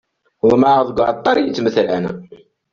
Ḍemεeɣ deg uεeṭṭar yettmetran.